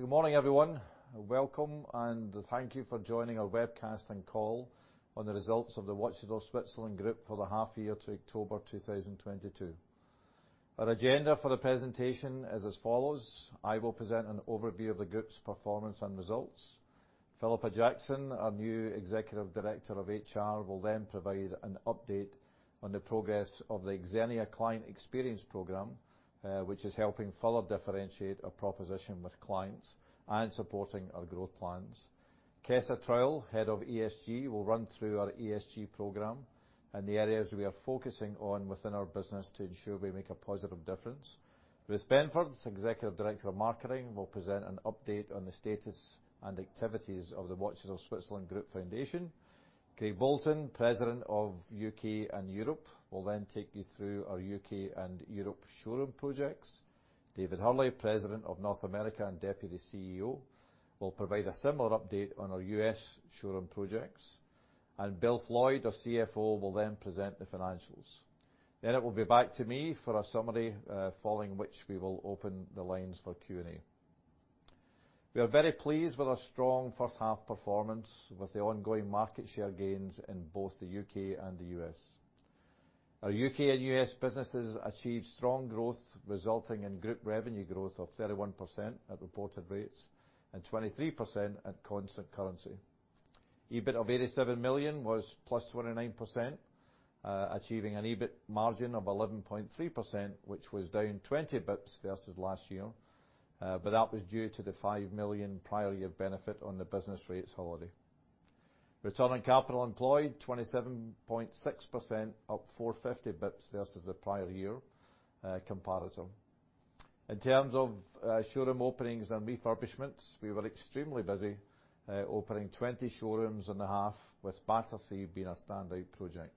Good morning, everyone. Welcome, and thank you for joining our webcast and call on the results of the Watches of Switzerland Group for the half year to October 2022. Our agenda for the presentation is as follows: I will present an overview of the group's performance and results. Philippa Jackson, our new Executive Director of HR, will then provide an update on the progress of the Xenia Client Experience Program, which is helping further differentiate our proposition with clients and supporting our growth plans. Kesah Trowell, Head of ESG, will run through our ESG program and the areas we are focusing on within our business to ensure we make a positive difference. Ruth Benford, Executive Director of Marketing, will present an update on the status and activities of the Watches of Switzerland Group Foundation. Craig Bolton, President of UK and Europe, will then take you through our UK and Europe showroom projects. David Hurley, President of North America and Deputy CEO, will provide a similar update on our US showroom projects. Bill Floydd, our CFO, will then present the financials. It will be back to me for a summary, following which we will open the lines for Q&A. We are very pleased with our strong first half performance with the ongoing market share gains in both the UK and the US. Our UK and US businesses achieved strong growth, resulting in group revenue growth of 31% at reported rates and 23% at constant currency. EBIT 87 million was +29%, achieving an EBIT margin of 11.3%, which was down 20 bips versus last year. That was due to the 5 million prior year benefit on the business rates holiday. ROCE, 27.6%, up 450 basis points versus the prior year comparison. In terms of showroom openings and refurbishments, we were extremely busy, opening 20 showrooms in the half, with Battersea being a standout project.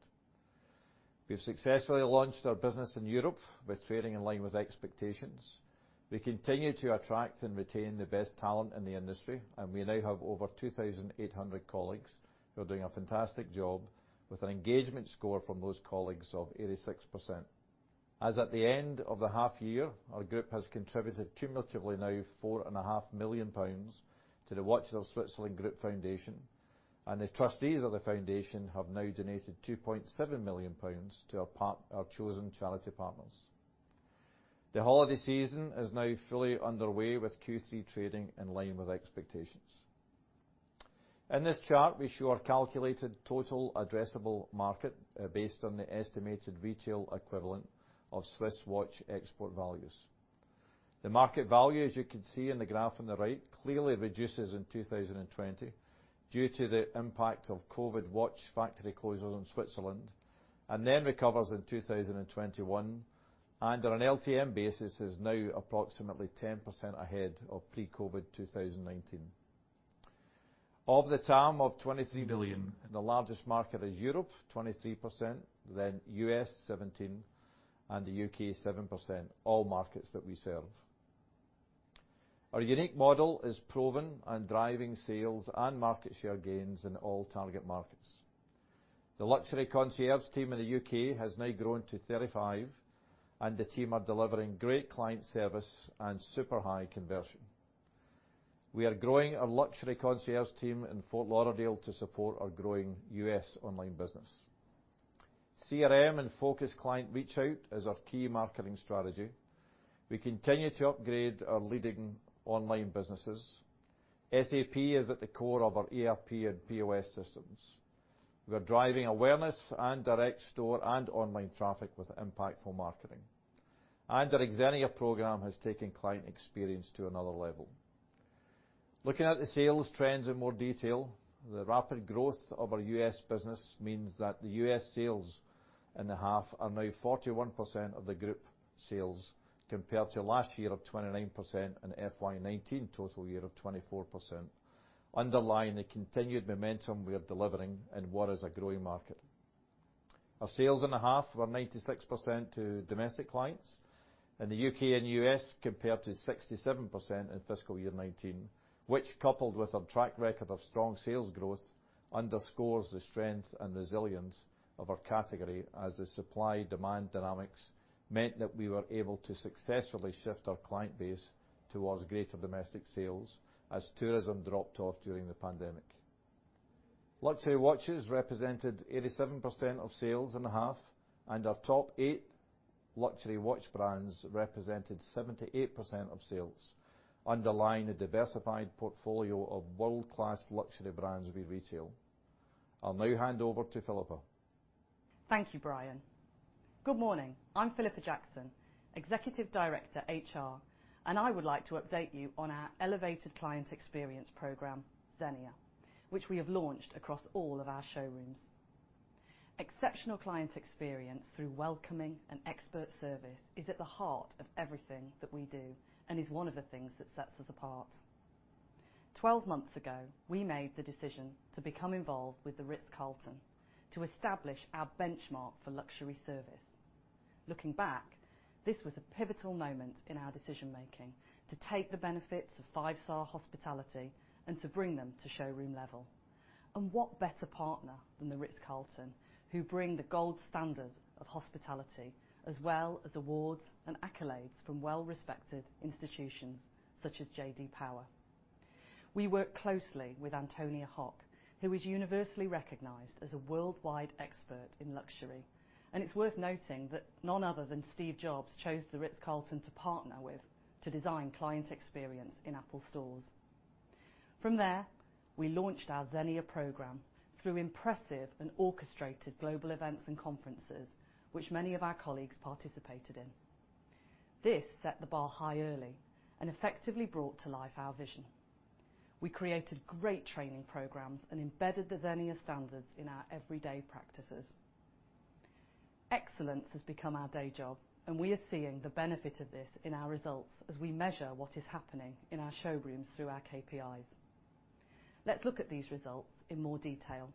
We have successfully launched our business in Europe. We're trading in line with expectations. We continue to attract and retain the best talent in the industry. We now have over 2,800 colleagues who are doing a fantastic job with an engagement score from those colleagues of 86%. As at the end of the half year, our group has contributed cumulatively now 4.5 million pounds to the Watches of Switzerland Group Foundation. The trustees of the foundation have now donated 2.7 million pounds to our chosen charity partners. The holiday season is now fully underway with Q3 trading in line with expectations. In this chart, we show our calculated total addressable market, based on the estimated retail equivalent of Swiss watch export values. The market value, as you can see in the graph on the right, clearly reduces in 2020 due to the impact of COVID watch factory closures in Switzerland, and then recovers in 2021, and on an LTM basis is now approximately 10% ahead of pre-COVID 2019. Of the TAM of 23 billion, the largest market is Europe, 23%, then US 17%, and the UK 7%, all markets that we serve. Our unique model is proven and driving sales and market share gains in all target markets. The luxury concierge team in the UK has now grown to 35, and the team are delivering great client service and super high conversion. We are growing our luxury concierge team in Fort Lauderdale to support our growing US online business. CRM and focused client reach out is our key marketing strategy. We continue to upgrade our leading online businesses. SAP is at the core of our ERP and POS systems. We are driving awareness and direct store and online traffic with impactful marketing, and our Xenia program has taken client experience to another level. Looking at the sales trends in more detail, the rapid growth of our U.S. business means that the U.S. sales in the half are now 41% of the Group sales compared to last year of 29% and FY 2019 total year of 24%, underlying the continued momentum we are delivering in what is a growing market. Our sales in the half were 96% to domestic clients in the U.K. and U.S. compared to 67% in fiscal year 2019, which, coupled with our track record of strong sales growth, underscores the strength and resilience of our category as the supply-demand dynamics meant that we were able to successfully shift our client base towards greater domestic sales as tourism dropped off during the pandemic. Luxury watches represented 87% of sales in the half. Our top eight luxury watch brands represented 78% of sales, underlying the diversified portfolio of world-class luxury brands we retail. I'll now hand over to Philippa. Thank you, Brian. Good morning. I'm Philippa Jackson, Executive Director, HR. I would like to update you on our elevated client experience program, Xenia, which we have launched across all of our showrooms. Exceptional client experience through welcoming and expert service is at the heart of everything that we do and is one of the things that sets us apart. 12 months ago, we made the decision to become involved with the Ritz-Carlton to establish our benchmark for luxury service. Looking back, this was a pivotal moment in our decision-making to take the benefits of five-star hospitality and to bring them to showroom level. What better partner than the Ritz-Carlton, who bring the gold standard of hospitality, as well as awards and accolades from well-respected institutions such as J.D. Power. We work closely with Antonia Hock, who is universally recognized as a worldwide expert in luxury, and it's worth noting that none other than Steve Jobs chose the Ritz-Carlton to partner with to design client experience in Apple stores. From there, we launched our Xenia program through impressive and orchestrated global events and conferences, which many of our colleagues participated in. This set the bar high early and effectively brought to life our vision. We created great training programs and embedded the Xenia standards in our everyday practices. Excellence has become our day job, and we are seeing the benefit of this in our results as we measure what is happening in our showrooms through our KPIs. Let's look at these results in more detail.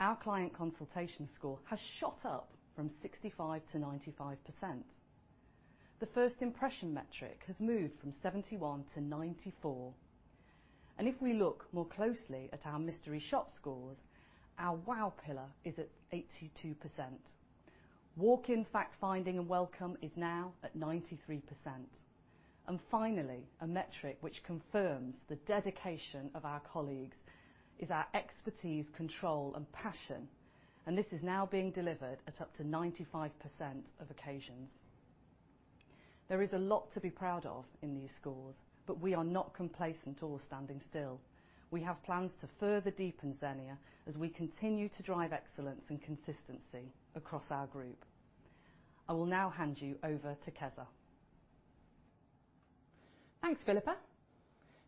Our client consultation score has shot up from 65%-95%. The first impression metric has moved from 71 to 94. If we look more closely at our mystery shop scores, our wow pillar is at 82%. Walk-in fact-finding and welcome is now at 93%. Finally, a metric which confirms the dedication of our colleagues is our expertise, control, and passion, and this is now being delivered at up to 95% of occasions. There is a lot to be proud of in these scores, but we are not complacent or standing still. We have plans to further deepen Xenia as we continue to drive excellence and consistency across our group. I will now hand you over to Kesah. Thanks, Philippa.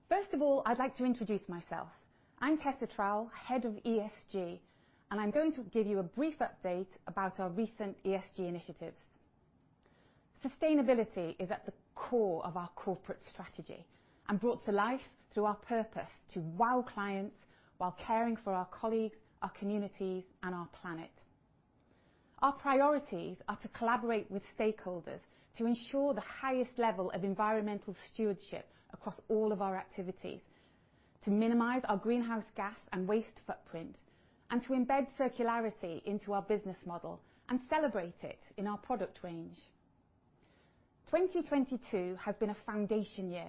First of all, I'd like to introduce myself. I'm Kesah Trowell, Head of ESG. I'm going to give you a brief update about our recent ESG initiatives. Sustainability is at the core of our corporate strategy and brought to life through our purpose to wow clients while caring for our colleagues, our communities, and our planet. Our priorities are to collaborate with stakeholders to ensure the highest level of environmental stewardship across all of our activities, to minimize our greenhouse gas and waste footprint, and to embed circularity into our business model and celebrate it in our product range. 2022 has been a foundation year,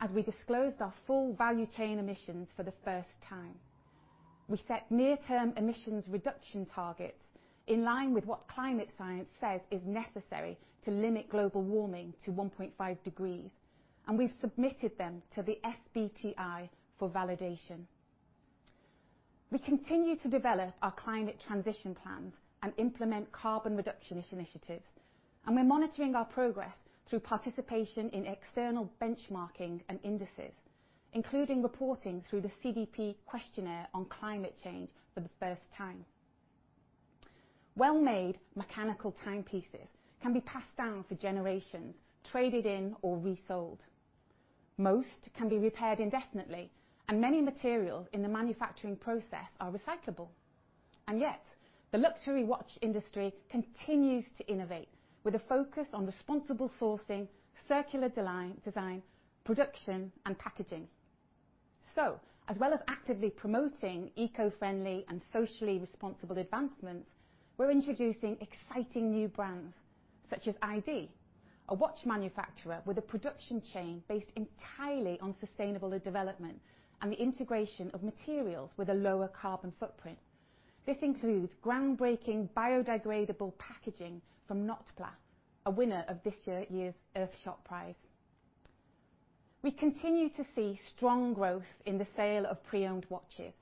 as we disclosed our full value chain emissions for the first time. We set near-term emissions reduction targets in line with what climate science says is necessary to limit global warming to 1.5 degrees, we've submitted them to the SBTI for validation. We continue to develop our climate transition plans and implement carbon reduction initiatives, we're monitoring our progress through participation in external benchmarking and indices, including reporting through the CDP questionnaire on climate change for the first time. Well-made mechanical timepieces can be passed down for generations, traded in, or resold. Most can be repaired indefinitely, many materials in the manufacturing process are recyclable. Yet, the luxury watch industry continues to innovate with a focus on responsible sourcing, circular design, production, and packaging. As well as actively promoting eco-friendly and socially responsible advancements, we're introducing exciting new brands, such as ID, a watch manufacturer with a production chain based entirely on sustainable development and the integration of materials with a lower carbon footprint. This includes groundbreaking biodegradable packaging from Notpla, a winner of this year's Earthshot Prize. We continue to see strong growth in the sale of pre-owned watches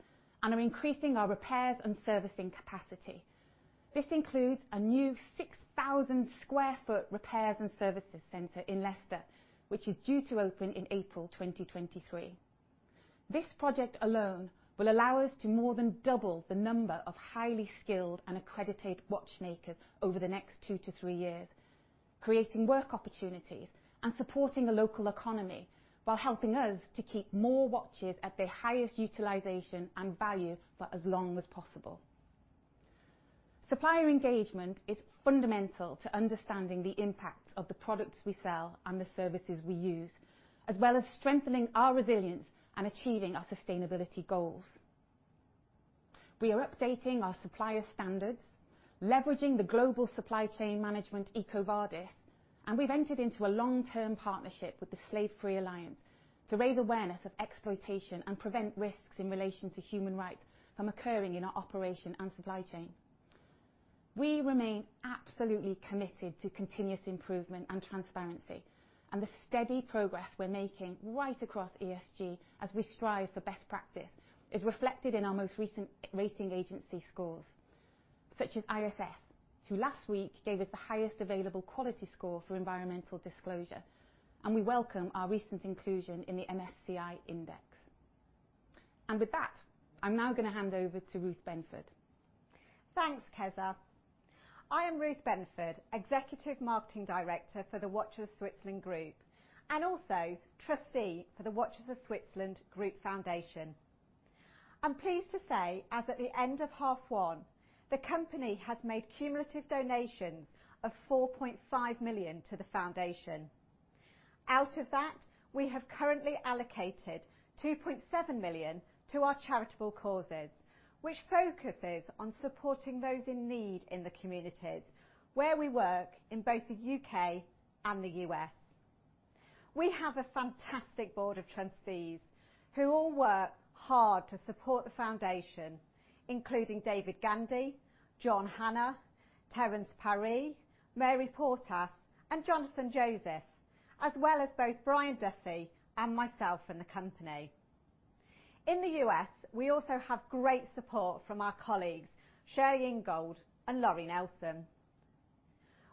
and are increasing our repairs and servicing capacity. This includes a new 6,000-sq ft repairs and services center in Leicester, which is due to open in April 2023. This project alone will allow us to more than double the number of highly skilled and accredited watchmakers over the next two to three years, creating work opportunities and supporting the local economy while helping us to keep more watches at their highest utilization and value for as long as possible. Supplier engagement is fundamental to understanding the impact of the products we sell and the services we use, as well as strengthening our resilience and achieving our sustainability goals. We are updating our supplier standards, leveraging the global supply chain management, EcoVadis. We've entered into a long-term partnership with the Slave-Free Alliance to raise awareness of exploitation and prevent risks in relation to human rights from occurring in our operation and supply chain. We remain absolutely committed to continuous improvement and transparency. The steady progress we're making right across ESG as we strive for best practice is reflected in our most recent rating agency scores, such as ISS, who last week gave us the highest available quality score for environmental disclosure. We welcome our recent inclusion in the MSCI index. With that, I'm now gonna hand over to Ruth Benford. Thanks, Kesah Trowell. I am Ruth Benford, executive marketing director for the Watches of Switzerland Group and also trustee for the Watches of Switzerland Group Foundation. I'm pleased to say, as at the end of half one, the company has made cumulative donations of 4.5 million to the foundation. Out of that, we have currently allocated 2.7 million to our charitable causes, which focuses on supporting those in need in the communities where we work in both the U.K. and the U.S. We have a fantastic board of trustees who all work hard to support the foundation, including David Gandy, John Hannah, Terence Parris, Mary Portas, and Jonathan Joseph, as well as both Brian Duffy and myself in the company. In the U.S., we also have great support from our colleagues Sherry Ingold and Lori Nelson.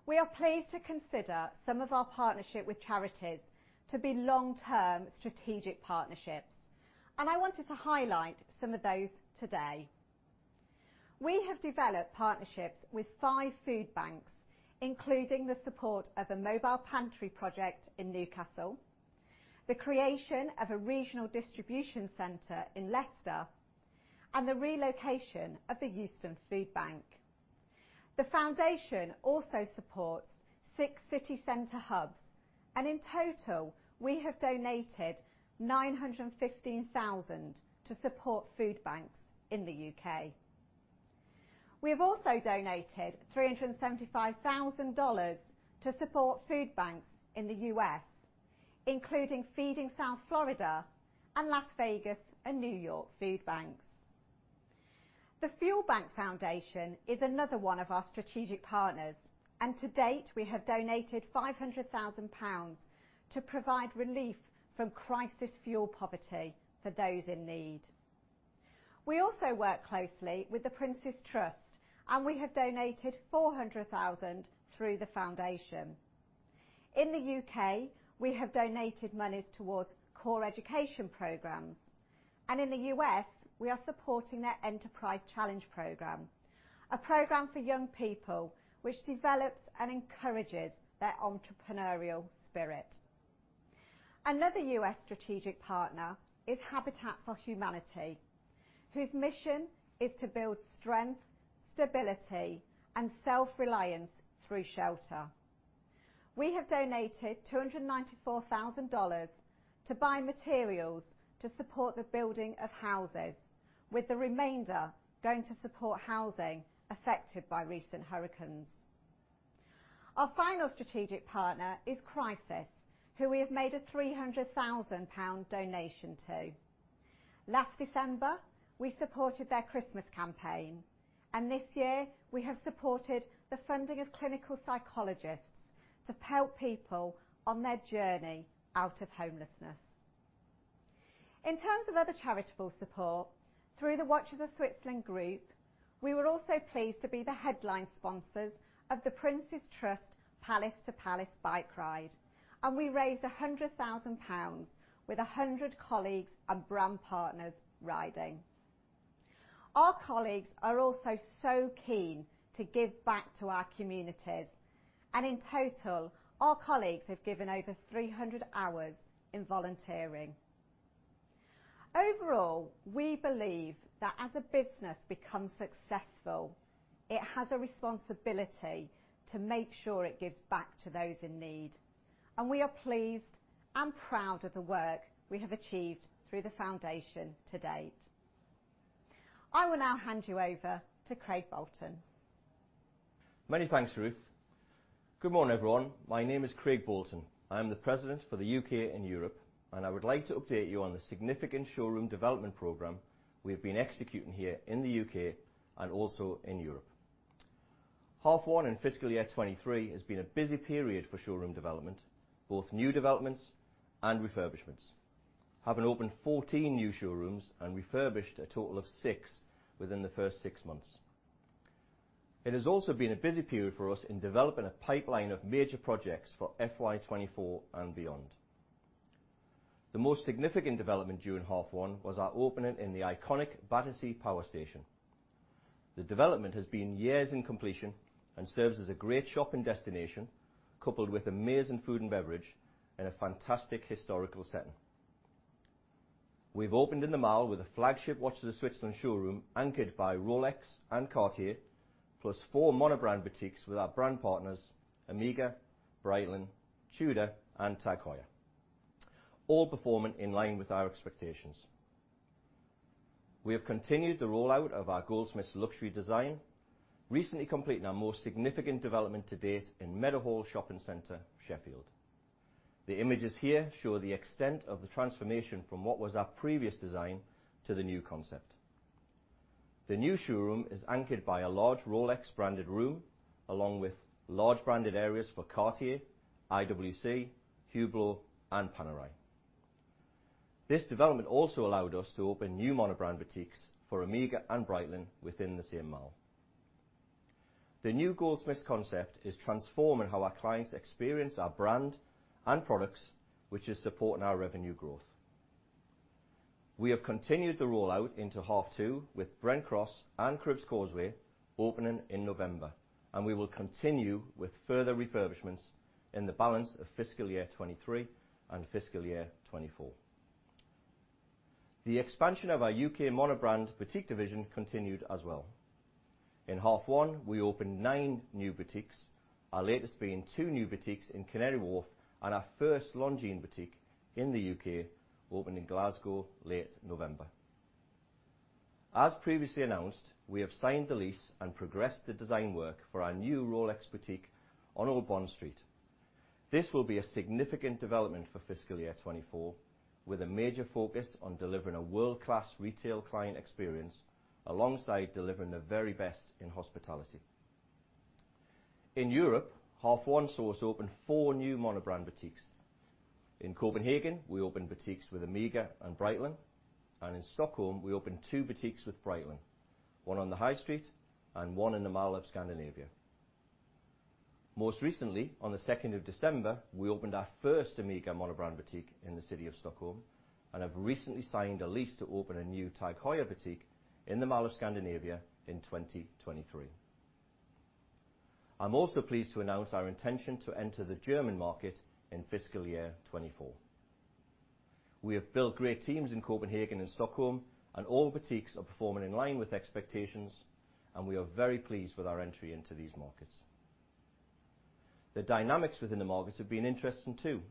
We are pleased to consider some of our partnership with charities to be long-term strategic partnerships. I wanted to highlight some of those today. We have developed partnerships with five food banks, including the support of a mobile pantry project in Newcastle, the creation of a regional distribution center in Leicester, and the relocation of the Euston Foodbank. The foundation also supports six city center hubs. In total, we have donated 915,000 to support food banks in the U.K. We have also donated $375,000 to support food banks in the U.S., including Feeding South Florida and Las Vegas and New York food banks. The Fuel Bank Foundation is another one of our strategic partners. To date, we have donated 500,000 pounds to provide relief from crisis fuel poverty for those in need. We also work closely with The Prince's Trust. We have donated 400,000 through the foundation. In the U.K., we have donated monies towards core education programs. In the U.S., we are supporting their Enterprise Challenge program, a program for young people which develops and encourages their entrepreneurial spirit. Another U.S. strategic partner is Habitat for Humanity, whose mission is to build strength, stability, and self-reliance through shelter. We have donated $294,000 to buy materials to support the building of houses, with the remainder going to support housing affected by recent hurricanes. Our final strategic partner is Crisis, who we have made a 300,000 pound donation to. Last December, we supported their Christmas campaign. This year we have supported the funding of clinical psychologists to help people on their journey out of homelessness. In terms of other charitable support, through the Watches of Switzerland Group, we were also pleased to be the headline sponsors of The Prince's Trust Palace to Palace bike ride, and we raised 100,000 pounds with 100 colleagues and brand partners riding. Our colleagues are also so keen to give back to our communities. In total, our colleagues have given over 300 hours in volunteering. Overall, we believe that as a business becomes successful, it has a responsibility to make sure it gives back to those in need, and we are pleased and proud of the work we have achieved through the Foundation to date. I will now hand you over to Craig Bolton. Many thanks, Ruth. Good morning, everyone. My name is Craig Bolton. I am the president for the UK and Europe, I would like to update you on the significant showroom development program we have been executing here in the UK and also in Europe. Half one in fiscal year 2023 has been a busy period for showroom development, both new developments and refurbishments, having opened 14 new showrooms and refurbished a total of six within the first six months. It has also been a busy period for us in developing a pipeline of major projects for FY 2024 and beyond. The most significant development during half one was our opening in the iconic Battersea Power Station. The development has been years in completion and serves as a great shopping destination, coupled with amazing food and beverage in a fantastic historical setting. We've opened in the mall with a flagship Watches of Switzerland showroom anchored by Rolex and Cartier, plus four monobrand boutiques with our brand partners OMEGA, Breitling, TUDOR, and TAG Heuer, all performing in line with our expectations. We have continued the rollout of our Goldsmiths luxury design, recently completing our most significant development to date in Meadowhall Shopping Center, Sheffield. The images here show the extent of the transformation from what was our previous design to the new concept. The new showroom is anchored by a large Rolex-branded room, along with large branded areas for Cartier, IWC, Hublot, and Panerai. This development also allowed us to open new monobrand boutiques for OMEGA and Breitling within the same mall. The new Goldsmiths concept is transforming how our clients experience our brand and products, which is supporting our revenue growth. We have continued the rollout into half two with Brent Cross and Cribbs Causeway opening in November. We will continue with further refurbishments in the balance of fiscal year 2023 and fiscal year 2024. The expansion of our U.K. monobrand boutique division continued as well. In half one, we opened nine new boutiques, our latest being two new boutiques in Canary Wharf and our first Longines boutique in the U.K. opened in Glasgow late November. As previously announced, we have signed the lease and progressed the design work for our new Rolex boutique on Old Bond Street. This will be a significant development for fiscal year 2024, with a major focus on delivering a world-class retail client experience alongside delivering the very best in hospitality. In Europe, half 1 saw us open four new monobrand boutiques. In Copenhagen, we opened boutiques with Omega and Breitling, and in Stockholm, we opened two boutiques with Breitling, one on the High Street and one in the Mall of Scandinavia. Most recently, on the 2nd of December, we opened our first Omega monobrand boutique in the city of Stockholm, and have recently signed a lease to open a new TAG Heuer boutique in the Mall of Scandinavia in 2023. I'm also pleased to announce our intention to enter the German market in fiscal year 2024. We have built great teams in Copenhagen and Stockholm, and all boutiques are performing in line with expectations, and we are very pleased with our entry into these markets. The dynamics within the markets have been interesting too.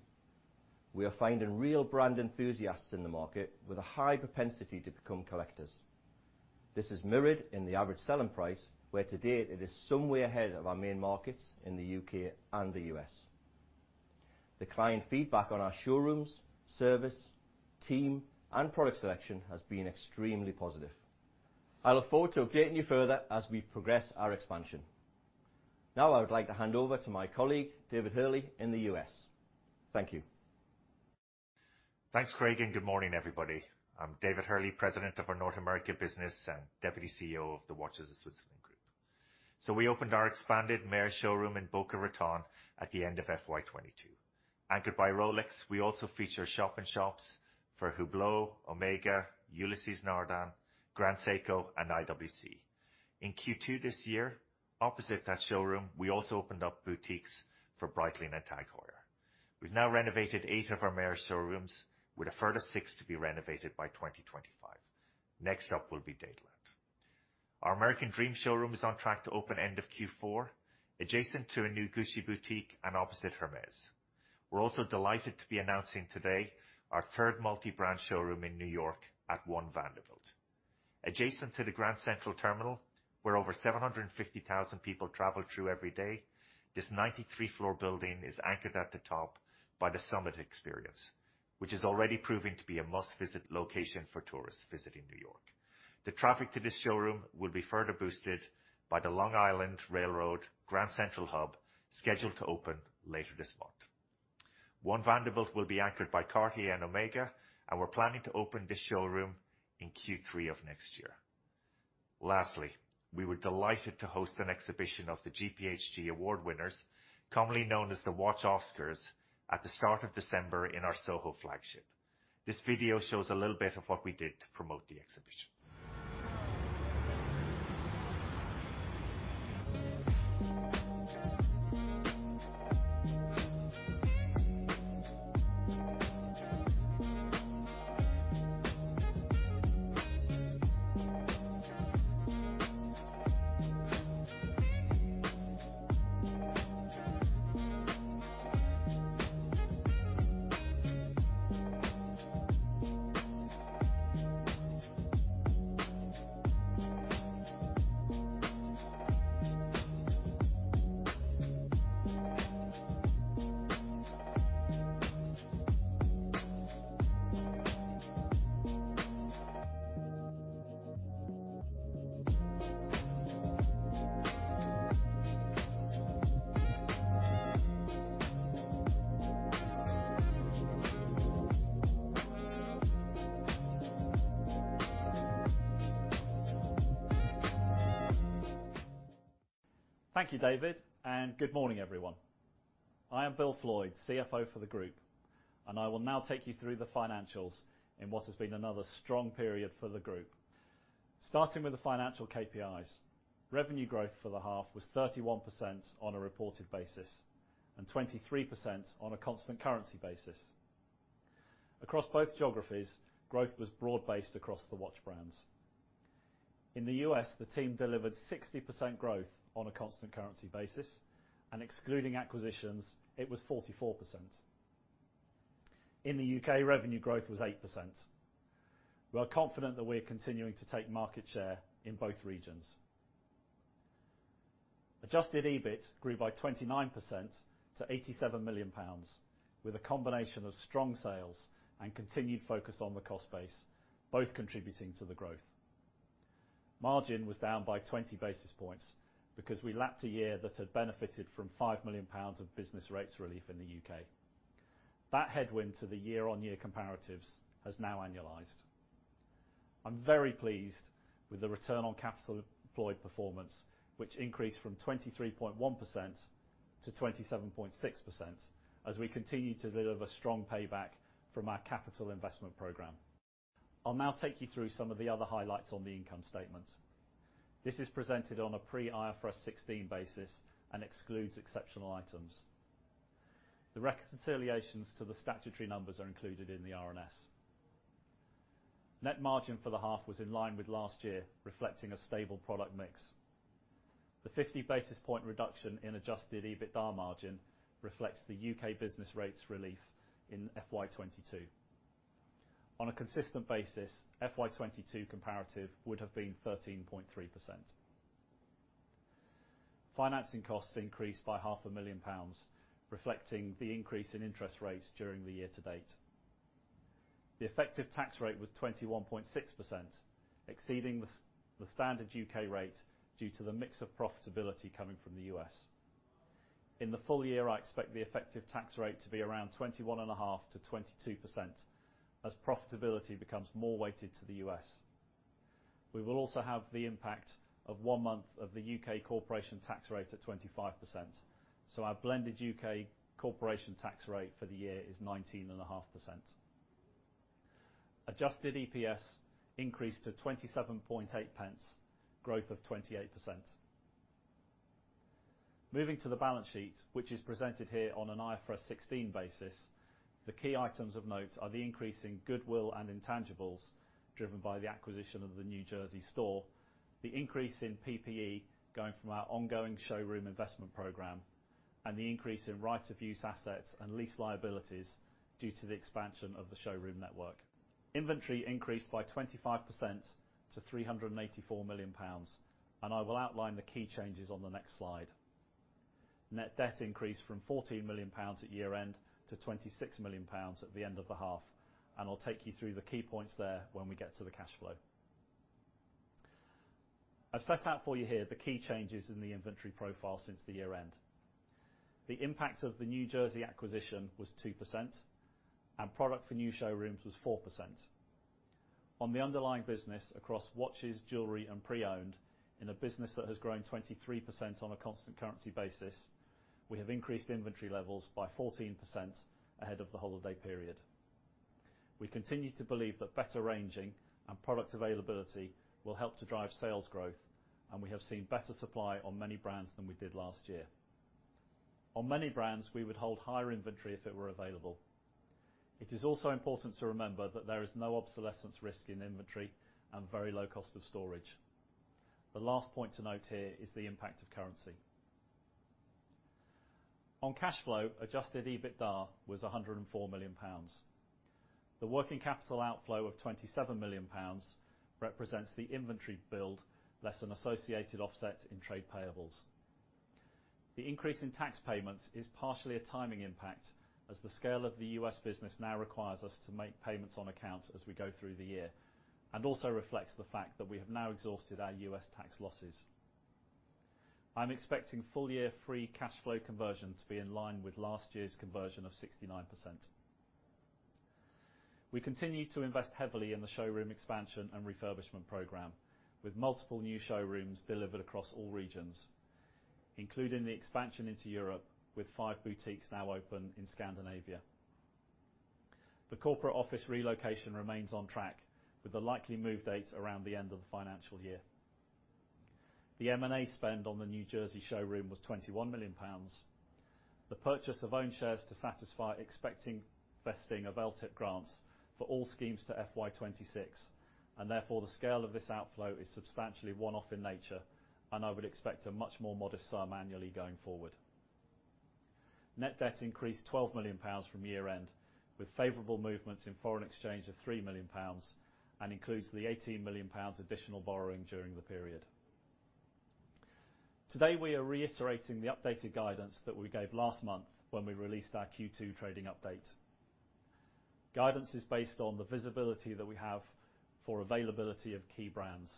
We are finding real brand enthusiasts in the market with a high propensity to become collectors. This is mirrored in the average selling price, where to date it is some way ahead of our main markets in the U.K. and the U.S. The client feedback on our showrooms, service, team, and product selection has been extremely positive. I look forward to updating you further as we progress our expansion. Now I would like to hand over to my colleague, David Hurley, in the U.S. Thank you. Thanks, Craig, good morning, everybody. I'm David Hurley, President of our North America business and Deputy CEO of The Watches of Switzerland Group. We opened our expanded Mayors showroom in Boca Raton at the end of FY22. Anchored by Rolex, we also feature shop in shops for Hublot, OMEGA, Ulysse Nardin, Grand Seiko, and IWC. In Q2 this year, opposite that showroom, we also opened up boutiques for Breitling and TAG Heuer. We've now renovated eight of our Mayors showrooms, with a further six to be renovated by 2025. Next up will be Dadeland. Our American Dream showroom is on track to open end of Q4, adjacent to a new Gucci boutique and opposite Hermès. We're also delighted to be announcing today our third multi-brand showroom in New York at One Vanderbilt. Adjacent to the Grand Central Terminal, where over 750,000 people travel through every day, this 93-floor building is anchored at the top by The Summit experience, which is already proving to be a must-visit location for tourists visiting New York. The traffic to this showroom will be further boosted by the Long Island Rail Road Grand Central Hub, scheduled to open later this month. One Vanderbilt will be anchored by Cartier and OMEGA, and we're planning to open this showroom in Q3 of next year. Lastly, we were delighted to host an exhibition of the GPHG Award winners, commonly known as the Watch Oscars, at the start of December in our SoHo flagship. This video shows a little bit of what we did to promote the exhibition. Thank you, David. Good morning, everyone. I am Bill Floydd, CFO for the group, and I will now take you through the financials in what has been another strong period for the group. Starting with the financial KPIs, revenue growth for the half was 31% on a reported basis and 23% on a constant currency basis. Across both geographies, growth was broad-based across the watch brands. In the U.S., the team delivered 60% growth on a constant currency basis, and excluding acquisitions, it was 44%. In the U.K., revenue growth was 8%. We are confident that we're continuing to take market share in both regions. Adjusted EBIT grew by 29% to 87 million pounds, with a combination of strong sales and continued focus on the cost base, both contributing to the growth. Margin was down by 20 basis points because we lapped a year that had benefited from 5 million pounds of business rates relief in the UK. That headwind to the year-on-year comparatives has now annualized. I'm very pleased with the return on capital employed performance, which increased from 23.1% to 27.6% as we continue to deliver strong payback from our capital investment program. I'll now take you through some of the other highlights on the income statement. This is presented on a pre-IFRS 16 basis and excludes exceptional items. The reconciliations to the statutory numbers are included in the RNS. Net margin for the half was in line with last year, reflecting a stable product mix. The 50 basis point reduction in adjusted EBITDA margin reflects the UK business rates relief in FY 2022. On a consistent basis, FY 2022 comparative would have been 13.3%. Financing costs increased by half a million pounds, reflecting the increase in interest rates during the year to date. The effective tax rate was 21.6%, exceeding the standard U.K. rate due to the mix of profitability coming from the U.S. In the full year, I expect the effective tax rate to be around 21.5%-22% as profitability becomes more weighted to the U.S. We will also have the impact of one month of the U.K. corporation tax rate at 25%, so our blended U.K. corporation tax rate for the year is 19.5%. Adjusted EPS increased to 27.8 pence, growth of 28%. Moving to the balance sheet, which is presented here on an IFRS 16 basis, the key items of note are the increase in goodwill and intangibles driven by the acquisition of the New Jersey store, the increase in PPE going from our ongoing showroom investment program, and the increase in right of use assets and lease liabilities due to the expansion of the showroom network. Inventory increased by 25% to 384 million pounds. I will outline the key changes on the next slide. Net debt increased from 14 million pounds at year-end to 26 million pounds at the end of the half. I'll take you through the key points there when we get to the cash flow. I've set out for you here the key changes in the inventory profile since the year-end. The impact of the New Jersey acquisition was 2%, and product for new showrooms was 4%. On the underlying business across watches, jewelry, and pre-owned, in a business that has grown 23% on a constant currency basis, we have increased inventory levels by 14% ahead of the holiday period. We continue to believe that better ranging and product availability will help to drive sales growth, and we have seen better supply on many brands than we did last year. On many brands, we would hold higher inventory if it were available. It is also important to remember that there is no obsolescence risk in inventory and very low cost of storage. The last point to note here is the impact of currency. On cash flow, adjusted EBITDA was 104 million pounds. The working capital outflow of 27 million pounds represents the inventory build less than associated offset in trade payables. The increase in tax payments is partially a timing impact, as the scale of the U.S. business now requires us to make payments on account as we go through the year, and also reflects the fact that we have now exhausted our U.S. tax losses. I'm expecting full year free cash flow conversion to be in line with last year's conversion of 69%. We continue to invest heavily in the showroom expansion and refurbishment program, with multiple new showrooms delivered across all regions, including the expansion into Europe, with five boutiques now open in Scandinavia. The corporate office relocation remains on track, with the likely move date around the end of the financial year. The M&A spend on the New Jersey showroom was 21 million pounds. The purchase of own shares to satisfy expecting vesting of LTIP grants for all schemes to FY 26, and therefore the scale of this outflow is substantially one-off in nature, and I would expect a much more modest sum annually going forward. Net debt increased 12 million pounds from year-end, with favorable movements in foreign exchange of 3 million pounds and includes the 18 million pounds additional borrowing during the period. Today, we are reiterating the updated guidance that we gave last month when we released our Q2 trading update. Guidance is based on the visibility that we have for availability of key brands,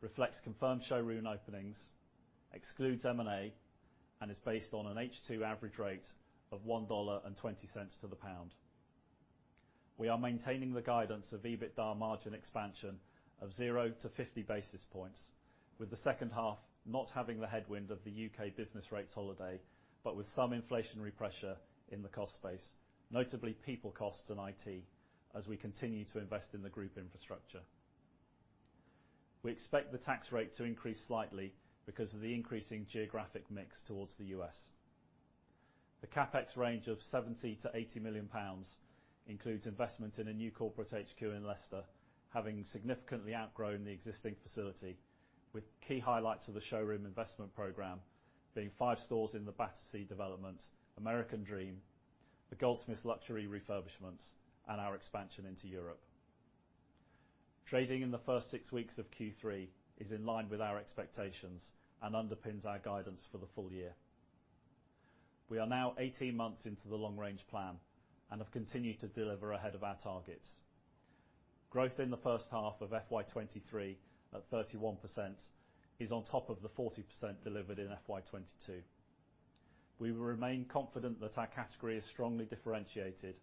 reflects confirmed showroom openings, excludes M&A, and is based on an H2 average rate of $1.20 to the pound. We are maintaining the guidance of EBITDA margin expansion of 0 to 50 basis points, with the second half not having the headwind of the UK business rates holiday, but with some inflationary pressure in the cost base, notably people costs and IT, as we continue to invest in the group infrastructure. We expect the tax rate to increase slightly because of the increasing geographic mix towards the U.S. The CapEx range of 70 million-80 million pounds includes investment in a new corporate HQ in Leicester, having significantly outgrown the existing facility, with key highlights of the showroom investment program being five stores in the Battersea development, American Dream, the Goldsmiths luxury refurbishments, and our expansion into Europe. Trading in the first six weeks of Q3 is in line with our expectations and underpins our guidance for the full year. We are now 18 months into the long-range plan and have continued to deliver ahead of our targets. Growth in the first half of FY23 at 31% is on top of the 40% delivered in FY22. We will remain confident that our category is strongly differentiated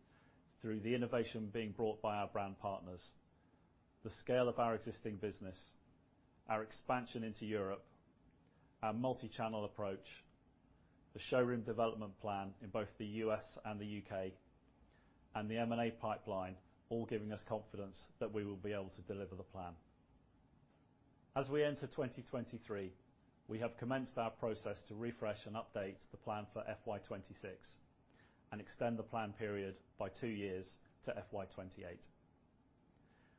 through the innovation being brought by our brand partners, the scale of our existing business, our expansion into Europe, our multi-channel approach, the showroom development plan in both the U.S. and the U.K., and the M&A pipeline all giving us confidence that we will be able to deliver the plan. As we enter 2023, we have commenced our process to refresh and update the plan for FY 26 and extend the plan period by two years to FY 2028.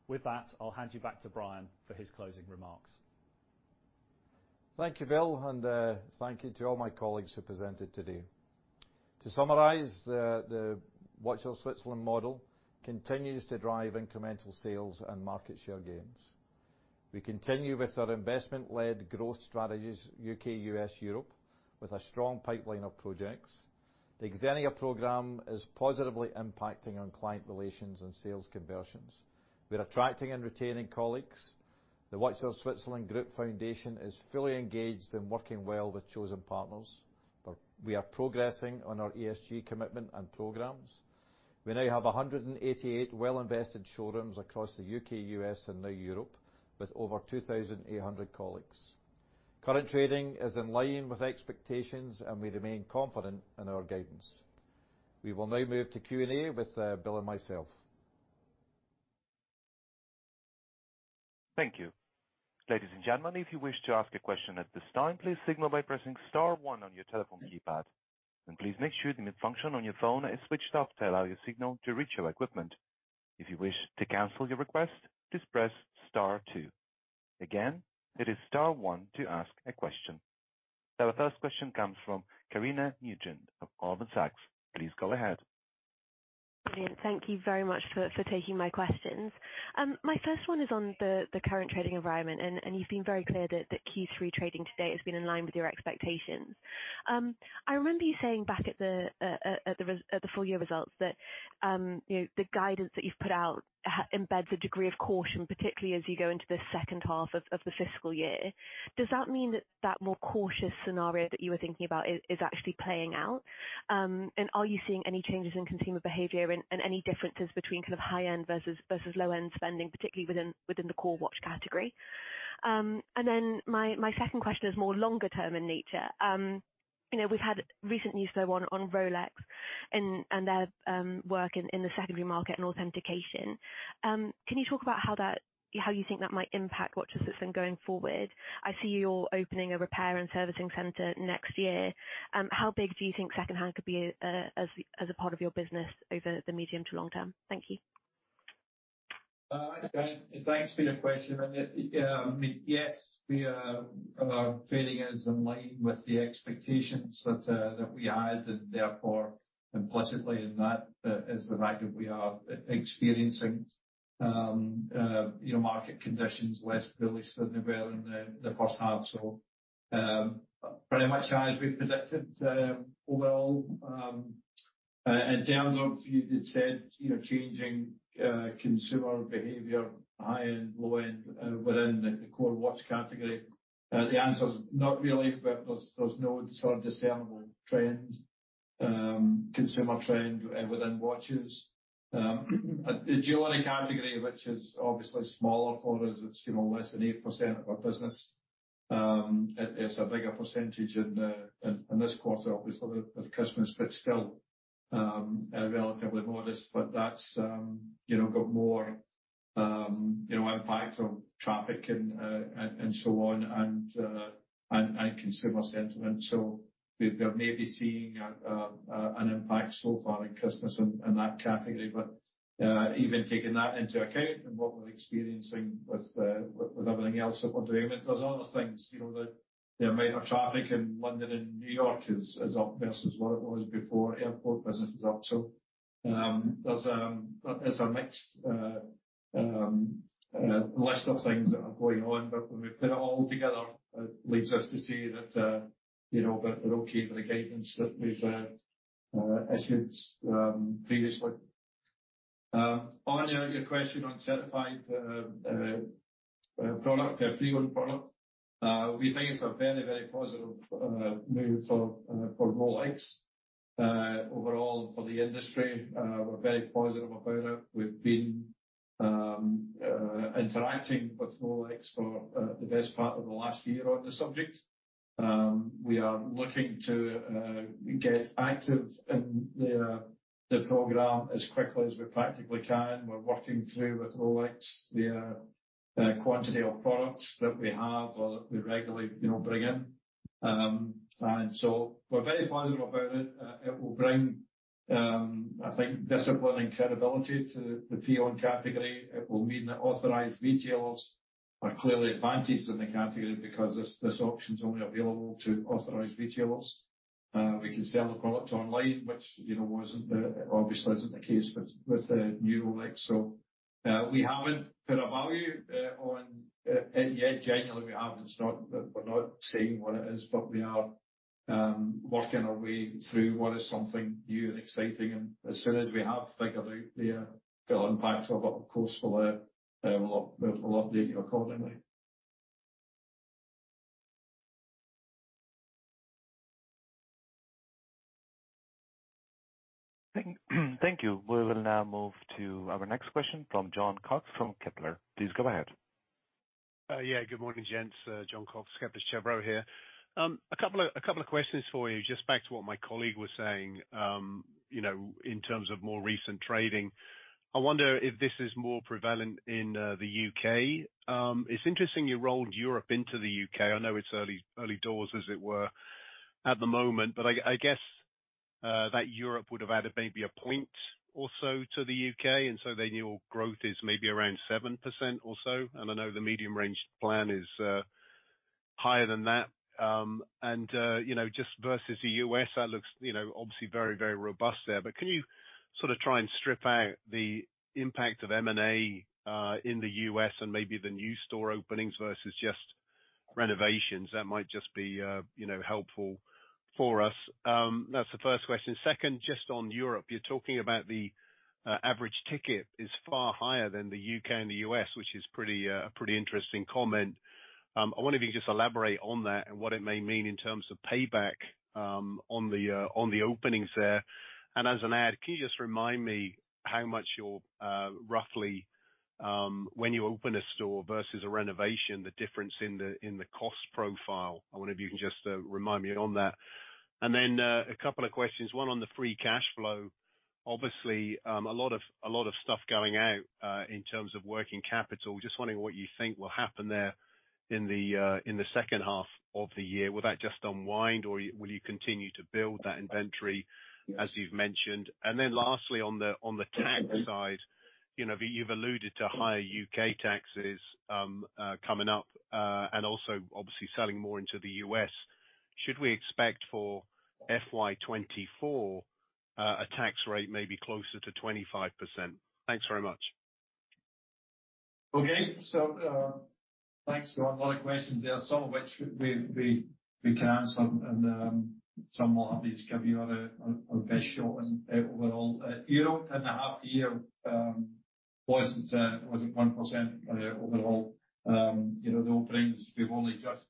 With that, I'll hand you back to Brian for his closing remarks. Thank you, Bill, thank you to all my colleagues who presented today. To summarize the Watches of Switzerland model continues to drive incremental sales and market share gains. We continue with our investment-led growth strategies, UK, US, Europe, with a strong pipeline of projects. The Xenia program is positively impacting on client relations and sales conversions. We are attracting and retaining colleagues. The Watches of Switzerland Group Foundation is fully engaged in working well with chosen partners. We are progressing on our ESG commitment and programs. We now have 188 well-invested showrooms across the UK, US, and now Europe, with over 2,800 colleagues. Current trading is in line with expectations, we remain confident in our guidance. We will now move to Q&A with Bill and myself. Thank you. Ladies and gentlemen, if you wish to ask a question at this time, please signal by pressing star one on your telephone keypad. Please make sure the mute function on your phone is switched off to allow your signal to reach our equipment. If you wish to cancel your request, just press star two. Again, it is star one to ask a question. Our first question comes from Karina Nugent of Goldman Sachs. Please go ahead. Thank you very much for taking my questions. My first one is on the current trading environment. You've been very clear that Q3 trading to date has been in line with your expectations. I remember you saying back at the full year results that, you know, the guidance that you've put out embeds a degree of caution, particularly as you go into the second half of the fiscal year. Does that mean that more cautious scenario that you were thinking about is actually playing out? Are you seeing any changes in consumer behavior and any differences between kind of high-end versus low-end spending, particularly within the core watch category? My second question is more longer-term in nature. You know, we've had recent news though on Rolex and their work in the secondary market and authentication. Can you talk about how you think that might impact WatchHouse going forward? I see you're opening a repair and servicing center next year. How big do you think secondhand could be as a part of your business over the medium to long term? Thank you. Thanks for your question. Yeah, yes, our trading is in line with the expectations that we had, and therefore implicitly in that is the fact that we are experiencing, you know, market conditions less bullish than they were in the first half. Pretty much as we predicted, overall. In terms of you said, you know, changing consumer behavior, high-end, low-end, within the core watch category, the answer is not really. There's no sort of discernible trend, consumer trend within watches. The jewelry category, which is obviously smaller for us, it's, you know, less than 8% of our business. It is a bigger percentage in this quarter, obviously, with Christmas, but still, relatively modest. That's, you know, got more, you know, impact on traffic and so on, and consumer sentiment. We're maybe seeing an impact so far in Christmas in that category. Even taking that into account and what we're experiencing with everything else that we're doing. There's other things, you know, the amount of traffic in London and New York is up versus what it was before. Airport business is up. There's a mixed list of things that are going on. When we put it all together, it leaves us to say that, you know, that we're okay for the guidance that we've issued previously. On your question on certified product or pre-owned product, we think it's a very, very positive move for Rolex, overall for the industry. We're very positive about it. We've been interacting with Rolex for the best part of the last year on this subject. We are looking to get active in their, the program as quickly as we practically can. We're working through with Rolex, their quantity of products that we have or that we regularly, you know, bring in. So we're very positive about it. It will bring, I think discipline and credibility to the pre-owned category. It will mean that authorized retailers are clearly advantaged in the category because this option is only available to authorized retailers. We can sell the product online, which, you know, wasn't the, obviously isn't the case with the new Rolex. We haven't put a value on it yet. Genuinely, we haven't. It's not that we're not saying what it is, but we are working our way through what is something new and exciting. As soon as we have figured out the full impact of it, of course we'll update you accordingly. Thank you. We will now move to our next question from Jon Cox from Kepler. Please go ahead. Yeah. Good morning, gents. Jon Cox, Kepler Cheuvreux here. A couple of questions for you. Just back to what my colleague was saying, you know, in terms of more recent trading. I wonder if this is more prevalent in the UK. It's interesting you rolled Europe into the UK. I know it's early doors as it were. At the moment, I guess that Europe would have added maybe a point or so to the UK. Your growth is maybe around 7% or so. I know the medium range plan is higher than that. You know, just versus the US, that looks, you know, obviously very, very robust there. Can you sort of try and strip out the impact of M&A in the US and maybe the new store openings versus just renovations? That might just be, you know, helpful for us. That's the first question. Second, just on Europe. You're talking about the average ticket is far higher than the UK and the US, which is pretty a pretty interesting comment. I wonder if you can just elaborate on that and what it may mean in terms of payback on the openings there. As an add, can you just remind me how much you're roughly when you open a store versus a renovation, the difference in the, in the cost profile. I wonder if you can just remind me on that. A couple of questions, one on the free cash flow. Obviously, a lot of stuff going out in terms of working capital. Just wondering what you think will happen there in the second half of the year. Will that just unwind, or will you continue to build that inventory as you've mentioned? Lastly, on the tax side, you know, you've alluded to higher U.K. taxes coming up and also obviously selling more into the U.S. Should we expect for FY 24 a tax rate maybe closer to 25%? Thanks very much. Okay. Thanks, Jon. A lot of questions there, some of which we can, some and some we'll have to give you our best shot and overall. Europe in the half year, wasn't 1% overall. You know, the openings, we've only just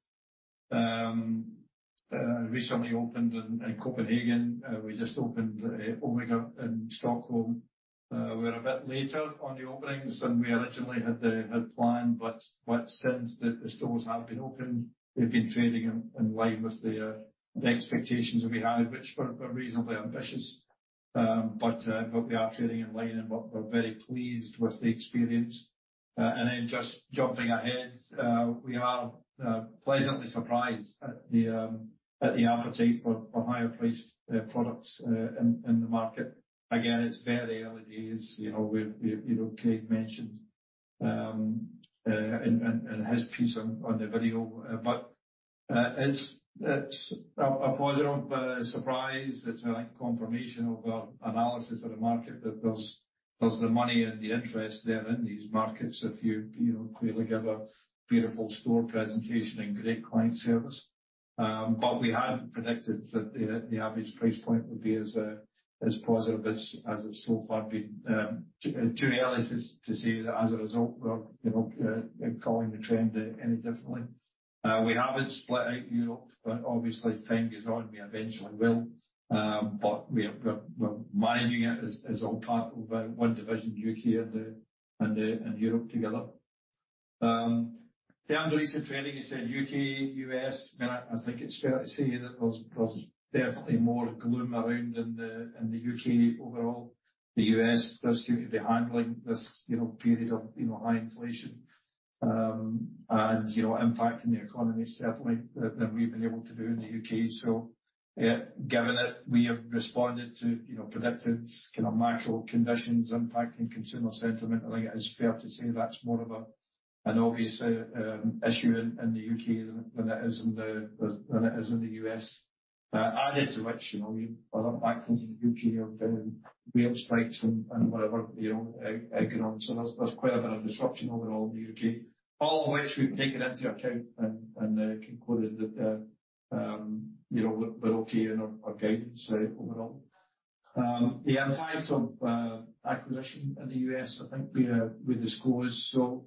recently opened in Copenhagen. We just opened OMEGA in Stockholm. We're a bit later on the openings than we originally had planned, but since the stores have been open, they've been trading in line with the expectations that we had, which were reasonably ambitious. We are trading in line and we're very pleased with the experience. Then just jumping ahead, we are pleasantly surprised at the appetite for higher priced products in the market. Again, it's very early days. You know, Kade mentioned in his piece on the video. It's a positive surprise. It's like confirmation of our analysis of the market that there's the money and the interest there in these markets if you know, clearly give a beautiful store presentation and great client service. We hadn't predicted that the average price point would be as positive as it's so far been. Too early to say that as a result we're, you know, calling the trend any differently. We haven't split out Europe, obviously time goes on, we eventually will. We're managing it as all part of one division, UK and Europe together. The underlying same trending you saw in UK, US. I think it's fair to say that there's definitely more gloom around in the UK overall. The US does seem to be handling this, you know, period of, you know, high inflation, and, you know, impacting the economy certainly than we've been able to do in the UK. Given that we have responded to, you know, predicted kind of macro conditions impacting consumer sentiment, I think it is fair to say that's more of an obvious issue in the U.K. than it is in the U.S. Added to which, you know, other factors in the U.K. have been rail strikes and whatever, you know, economic. There's quite a bit of disruption overall in the U.K., all of which we've taken into account and concluded that, you know, we're okay in our guidance overall. Yeah, in terms of acquisition in the U.S., I think we disclosed so,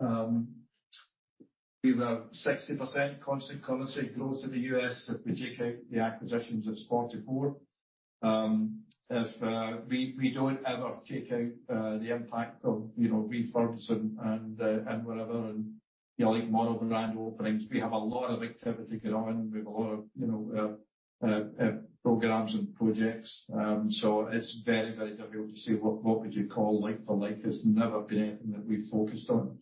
we were 60% constant currency growth in the U.S. If we take out the acquisitions, it's 44%. If we don't ever take out the impact of, you know, refunds and and whatever, and, you know, like model grand openings. We have a lot of activity going on. We have a lot of, you know, programs and projects. It's very, very difficult to say what would you call like for like. It's never been anything that we've focused on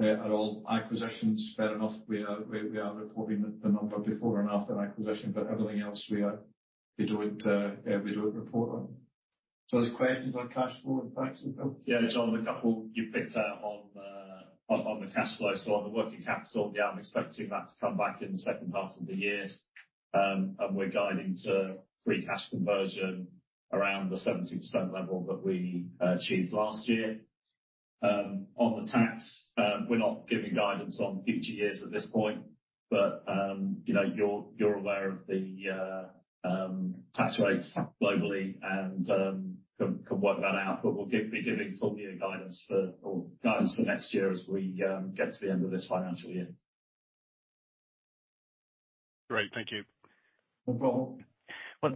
at all. Acquisitions, fair enough, we are reporting the number before and after acquisition, but everything else we don't report on. There's questions on cash flow and tax as well. Yeah, John, a couple you picked up on the cash flow. On the working capital, yeah, I'm expecting that to come back in the second half of the year. We're guiding to free cash conversion around the 70% level that we achieved last year. On the tax, we're not giving guidance on future years at this point, but, you know, you're aware of the tax rates globally and can work that out. We'll be giving full year guidance for or guidance for next year as we get to the end of this financial year. Great. Thank you. No problem. Well,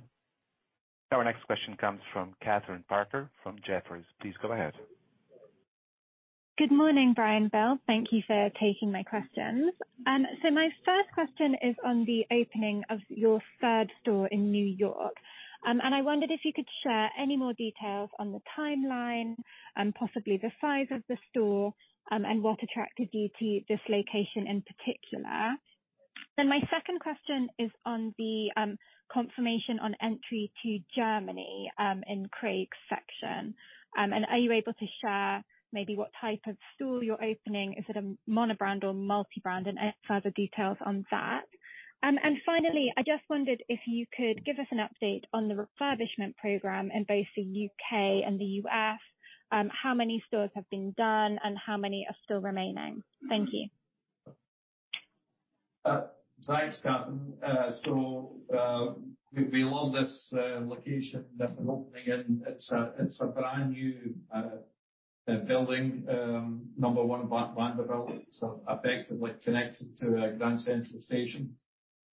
our next question comes from Kathryn Parker from Jefferies. Please go ahead. Good morning, Brian, Bill. Thank you for taking my questions. My first question is on the opening of your third store in New York. I wondered if you could share any more details on the timeline and possibly the size of the store, and what attracted you to this location in particular? My second question is on the confirmation on entry to Germany, in Craig's section. Are you able to share maybe what type of store you're opening? Is it a mono-brand or multi-brand? Any further details on that. Finally, I just wondered if you could give us an update on the refurbishment program in both the U.K. and the U.S. How many stores have been done and how many are still remaining? Thank you. Thanks, Kathryn. We love this location that we're opening, and it's a brand new building, number one Vanderbilt. It's effectively connected to Grand Central Station.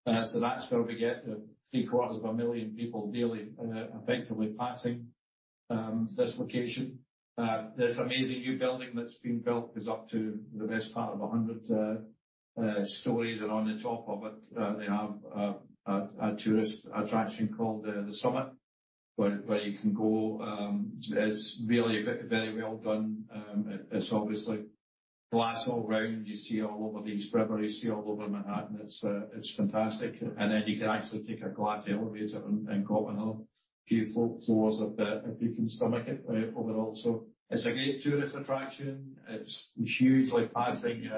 That's where we get three-quarters of a million people daily, effectively passing this location. This amazing new building that's been built is up to the best part of 100 stories. On the top of it, they have a tourist attraction called the Summit, where you can go. It's really very, very well done. It's obviously glass all round. You see all over the East River. You see all over Manhattan. It's fantastic. Then you can actually take a glass elevator and go another few floors up the... if you can stomach it, overall. It's a great tourist attraction. It's hugely passing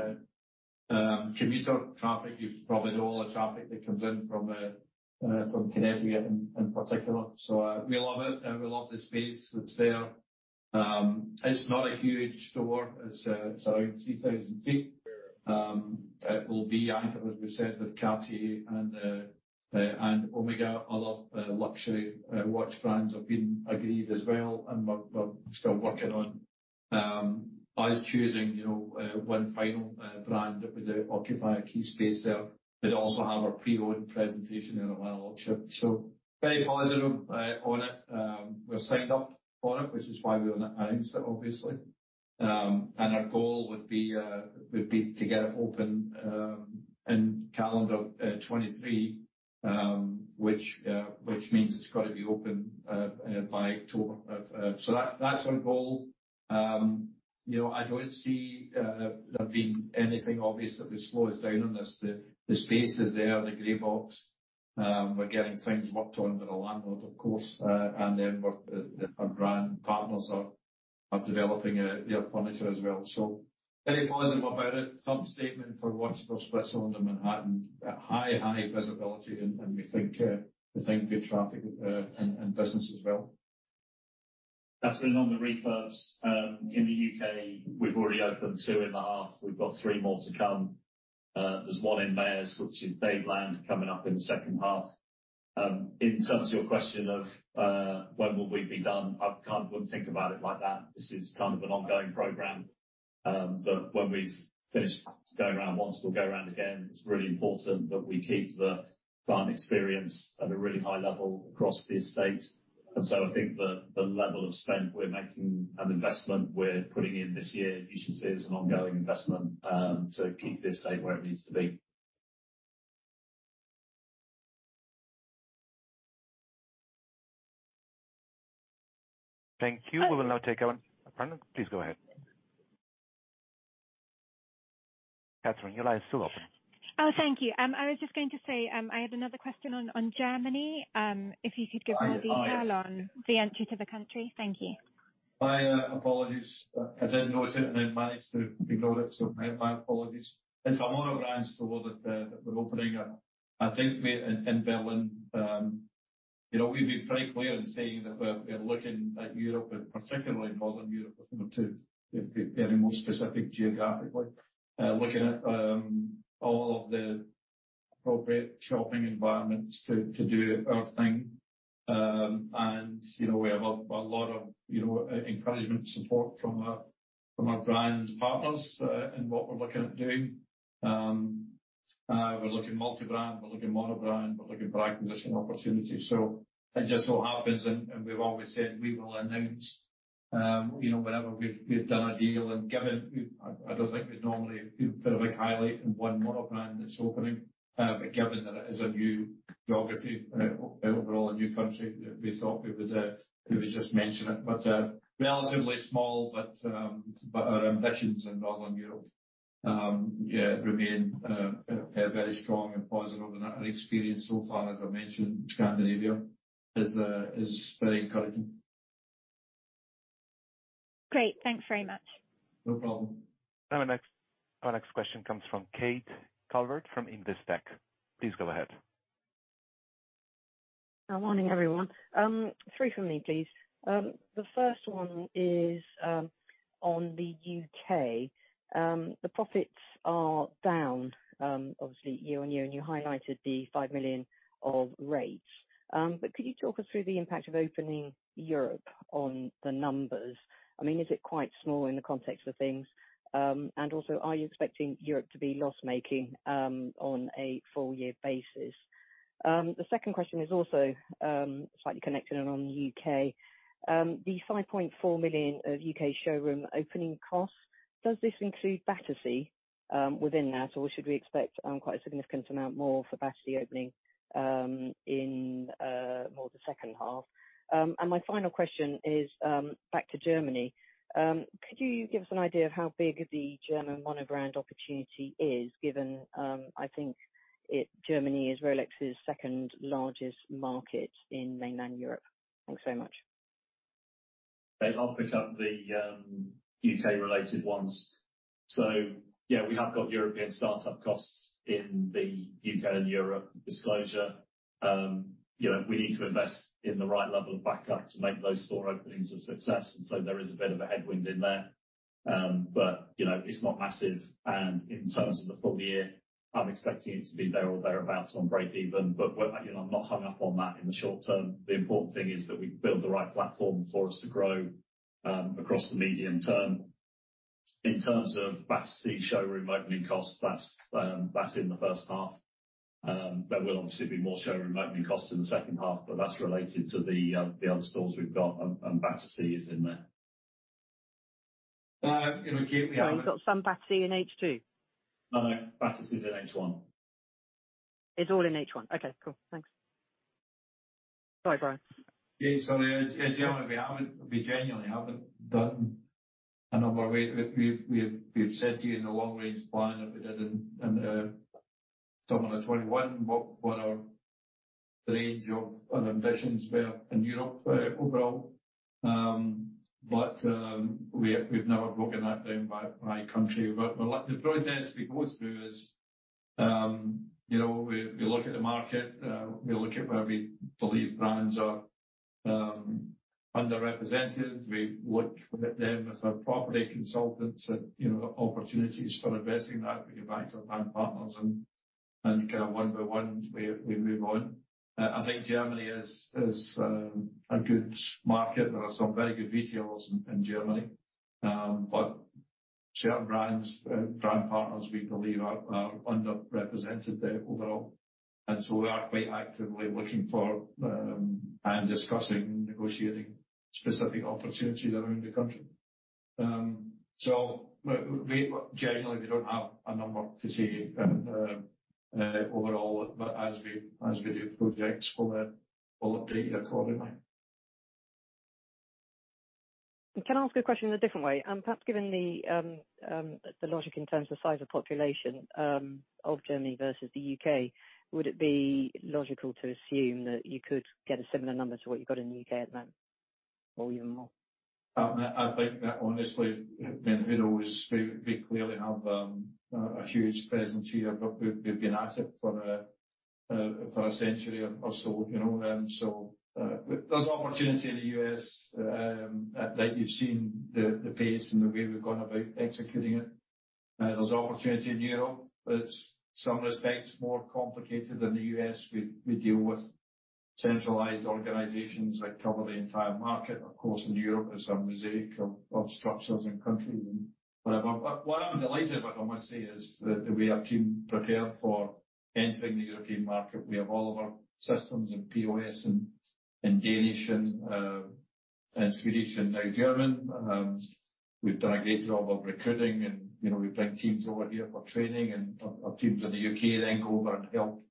commuter traffic. You probably know all the traffic that comes in from Connecticut in particular. We love it, and we love the space that's there. It's not a huge store. It's around 3,000 square. It will be anchored, as we said, with Cartier and Omega. Other luxury watch brands have been agreed as well, and we're still working on us choosing, you know, one final brand that would occupy a key space there. It'll also have our pre-owned presentation in our watch shop. Very positive on it. We're signed up for it, which is why we wanna announce it, obviously. Our goal would be to get it open in calendar 2023, which means it's gotta be open by October. That's our goal. You know, I don't see there being anything obvious that would slow us down on this. The space is there, the gray box. We're getting things worked on with the landlord, of course. Then we're, our brand partners are developing their furniture as well. Very positive about it. Firm statement for Watches of Switzerland and Manhattan. High visibility and we think good traffic and business as well. Kathryn, on the refurbs, in the UK, we've already opened two in the half. We've got three more to come. There's one in Mayors, which is Dadeland coming up in the second half. In terms of your question of, when will we be done? I wouldn't think about it like that. This is kind of an ongoing program that when we've finished going around once, we'll go around again. It's really important that we keep the client experience at a really high level across the estate. I think the level of spend we're making an investment we're putting in this year, you should see it as an ongoing investment to keep the estate where it needs to be. Thank you. We will now take Alan. Please go ahead. Kathryn, your line is still open. Thank you. I was just going to say, I had another question on Germany. If you could give more detail on the entry to the country. Thank you. My apologies. I did note it and then managed to ignore it, so my apologies. It's a monobrand store that we're opening up, I think, may in Berlin. You know, we've been pretty clear in saying that we're looking at Europe and particularly Northern Europe, you know, to be more specific geographically. Looking at all of the appropriate shopping environments to do our thing. And, you know, we have a lot of, you know, encouragement support from our brand partners in what we're looking at doing. We're looking multi-brand, we're looking mono-brand, we're looking for acquisition opportunities. It just so happens, and we've always said we will announce, you know, whenever we've done a deal. Given I don't think we'd normally put a big highlight in one monobrand that's opening. Given that it is a new geography, overall a new country, we thought we would just mention it. Relatively small, but our ambitions in Northern Europe, yeah, remain very strong and positive. Our experience so far, as I mentioned, Scandinavia is very encouraging. Great. Thanks very much. No problem. Our next question comes from Kate Calvert, from Investec. Please go ahead. Good morning, everyone. Three from me, please. The first one is on the U.K. The profits are down, obviously year-on-year, and you highlighted the 5 million of rates. Could you talk us through the impact of opening Europe on the numbers? I mean, is it quite small in the context of things? Also, are you expecting Europe to be loss-making on a full year basis? The second question is also slightly connected and on the U.K. The 5.4 million of U.K. showroom opening costs, does this include Battersea within that? Or should we expect quite a significant amount more for Battersea opening in more the second half? My final question is back to Germany. Could you give us an idea of how big the German monobrand opportunity is given, I think Germany is Rolex's second largest market in mainland Europe? Thanks so much. They'll pick up the UK related ones. We have got European start-up costs in the UK and Europe disclosure. You know, we need to invest in the right level of backup to make those store openings a success. There is a bit of a headwind in there. But you know, it's not massive. In terms of the full year, I'm expecting it to be there or thereabouts on break even. We're, you know, not hung up on that in the short term. The important thing is that we build the right platform for us to grow across the medium term. In terms of Battersea showroom opening cost, that's in the first half. There will obviously be more showroom opening costs in the second half, but that's related to the other stores we've got and Battersea is in there. You know, Sorry, you've got some Battersea in H2? No, no. Battersea is in H1. It's all in H1. Okay, cool. Thanks. Sorry, Brian. Yeah, sorry. As Joanna, we haven't. We genuinely haven't done a number. We've said to you in the long range plan that we did in summer of 2021 what our range of and ambitions were in Europe overall. We've never broken that down by country. The process we go through is, you know, we look at the market, we look at where we believe brands are underrepresented. We look at them with our property consultants and, you know, opportunities for addressing that. We get back to our brand partners and kind of one by one, we move on. I think Germany is a good market. There are some very good retailers in Germany. Certain brands, brand partners we believe are underrepresented there overall. We are quite actively looking for, and discussing, negotiating specific opportunities around the country. Generally, we don't have a number to say, overall, but as we do projects, we'll update you accordingly. Can I ask a question a different way? Perhaps given the logic in terms of size of population of Germany versus the U.K., would it be logical to assume that you could get a similar number to what you got in the U.K. at the moment or even more? I think that honestly, I mean, who knows, we clearly have a huge presence here, but we've been at it for a 100 years or so, you know. There's opportunity in the U.S., like you've seen the pace and the way we've gone about executing it. There's opportunity in Europe that's some respects more complicated than the U.S. We deal with centralized organizations that cover the entire market. Of course, in Europe is a mosaic of structures and countries and whatever. What I'm delighted about, I must say, is that the way our team prepared for entering the European market. We have all of our systems and POS in Danish and Swedish and now German. We've done a great job of recruiting and, you know, we bring teams over here for training and our teams in the UK then go over and help,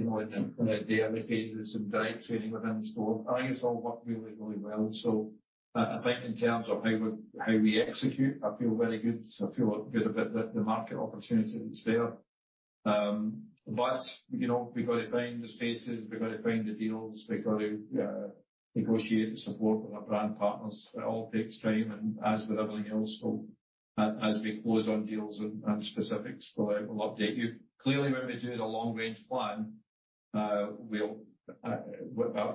you know, in the early phases and direct training within the store. I think it's all worked really, really well. I think in terms of how we execute, I feel very good. I feel good about the market opportunity that's there. You know, we've got to find the spaces, we've got to find the deals, we've got to negotiate the support with our brand partners. It all takes time and as with everything else, as we close on deals and specifics, we'll update you. Clearly, when we do the long-range plan, we'll,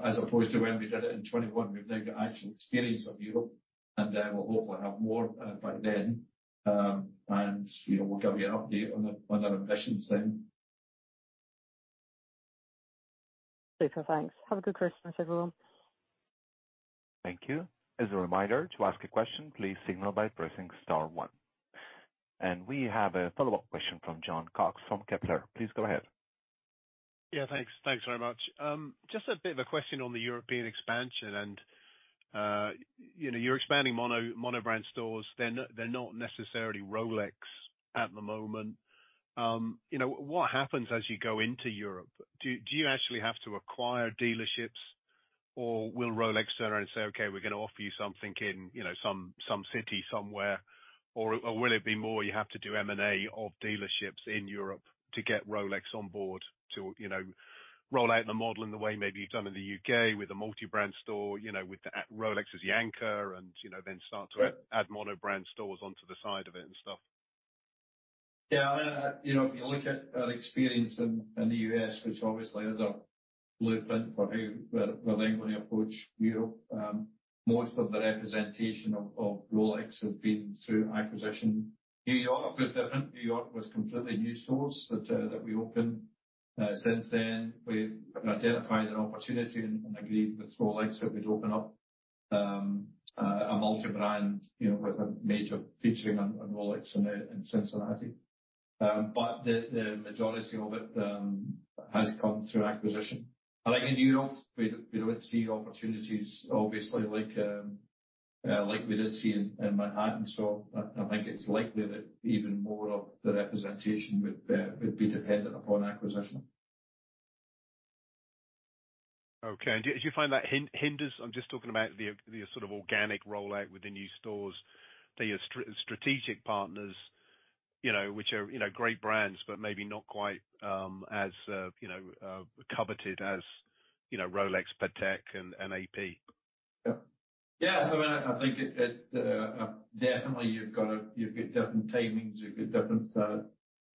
as opposed to when we did it in 21, we've now got actual experience of Europe, and, we'll hopefully have more, by then. You know, we'll give you an update on the, on our ambitions then. Super. Thanks. Have a good Christmas, everyone. Thank you. As a reminder, to ask a question, please signal by pressing star one. We have a follow-up question from Jon Cox from Kepler. Please go ahead. Yeah, thanks. Thanks very much. Just a bit of a question on the European expansion and, you know, you're expanding mono brand stores. They're not necessarily Rolex at the moment. You know, what happens as you go into Europe? Do you actually have to acquire dealerships or will Rolex turn around and say, "Okay, we're gonna offer you something in, you know, some city somewhere." Or will it be more you have to do M&A of dealerships in Europe to get Rolex on board to, you know, roll out the model in the way maybe you've done in the UK with a multi-brand store, you know, with the Rolex as the anchor and, you know, then start to add mono brand stores onto the side of it and stuff. Yeah. You know, if you look at our experience in the U.S., which obviously is a blueprint for how we're then gonna approach Europe, most of the representation of Rolex has been through acquisition. New York was different. New York was completely new stores that we opened. Since then we identified an opportunity and agreed with Rolex that we'd open up a multi-brand, you know, with a major featuring on Rolex in Cincinnati. But the majority of it has come through acquisition. I think in New York we don't see opportunities obviously like we did see in Manhattan. I think it's likely that even more of the representation would be dependent upon acquisition. Do you find that hinders, I'm just talking about the sort of organic rollout with the new stores that your strategic partners, you know, which are, you know, great brands, but maybe not quite as, you know, coveted as, you know, Rolex, Patek and AP? Yeah. I mean, I think it definitely you've got different timings, you've got different,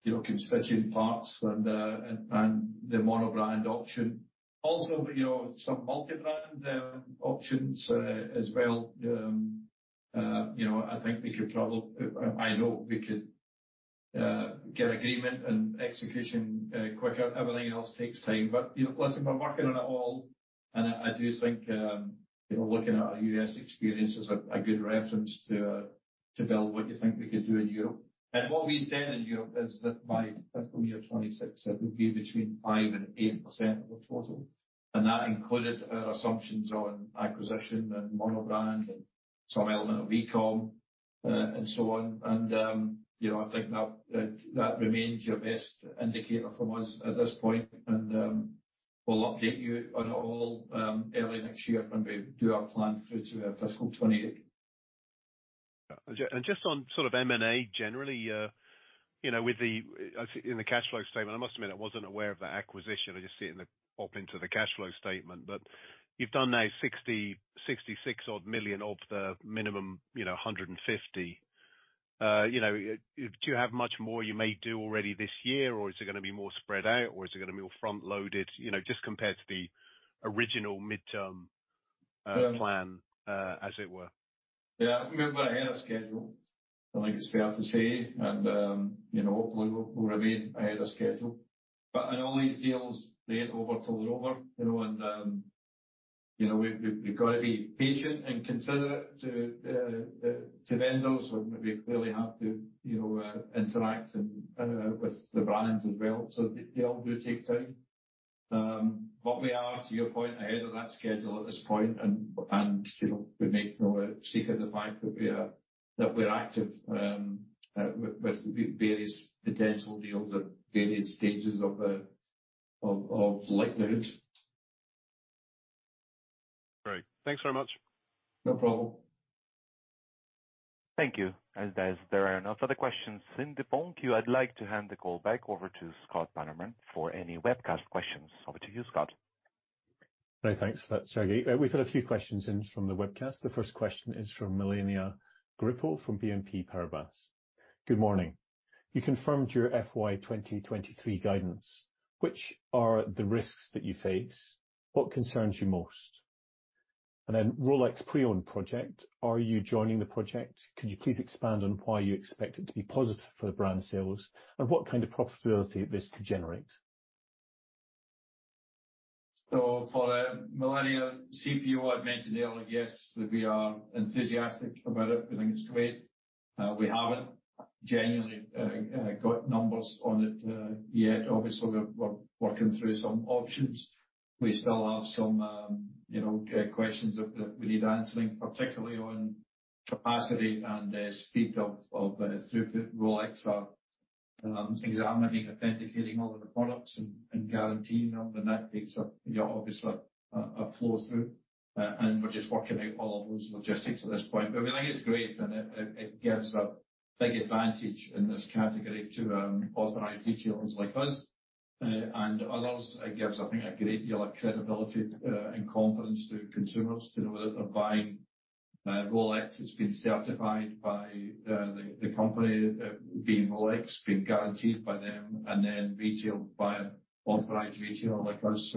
you know, constituent parts and the monobrand option. Also, you know, some multi-brand options as well, you know, I think we could travel. I know we could get agreement and execution quicker. Everything else takes time. You know, listen, we're working on it all, and I do think, you know, looking at our US experience is a good reference to build what you think we could do in Europe. What we said in Europe is that by fiscal year 26, it would be between 5% and 8% of the total. That included our assumptions on acquisition and monobrand and some element of e-com, and so on. You know, I think that remains your best indicator from us at this point and we'll update you on it all early next year when we do our plan through to fiscal 28. Just on sort of M&A generally, with the, I think in the cash flow statement, I must admit I wasn't aware of that acquisition. I just see it in the into the cash flow statement. You've done now 66 million odd of the minimum 150 million. Do you have much more you may do already this year, or is it gonna be more spread out, or is it gonna be more front-loaded, just compared to the original midterm plan? Yeah, I mean, we're ahead of schedule, I think it's fair to say, and, you know, hopefully we'll remain ahead of schedule. In all these deals, they ain't over till they're over, you know, and, you know, we've gotta be patient and considerate to vendors when we clearly have to, you know, interact and with the brands as well. They all do take time. We are, to your point, ahead of that schedule at this point and, you know, we make no secret of the fact that we're active, with various potential deals at various stages of likelihood. Great. Thanks very much. No problem. Thank you. There are no further questions in the phone queue. I'd like to hand the call back over to Scott Bannerman for any webcast questions. Over to you, Scott. No, thanks for that, Sergei. We've had a few questions in from the webcast. The first question is from Melania Grippo from BNP Paribas. Good morning. You confirmed your FY 2023 guidance. Which are the risks that you face? What concerns you most? Rolex pre-owned project, are you joining the project? Can you please expand on why you expect it to be positive for the brand sales? What kind of profitability this could generate? Melania Grippo, CPO, I've mentioned earlier, yes, that we are enthusiastic about it. We think it's great. We haven't genuinely got numbers on it yet. Obviously, we're working through some options. We still have some, you know, questions that we need answering, particularly on capacity and speed of throughput. Rolex are examining, authenticating all of the products and guaranteeing them, and that takes up, you know, obviously a flow through. We're just working out all of those logistics at this point. We think it's great and it gives a big advantage in this category to authorized retailers like us and others. It gives, I think, a great deal of credibility, and confidence to consumers to know that they're buying a Rolex that's been certified by the company, being Rolex, being guaranteed by them, and then retailed by an authorized retailer like us.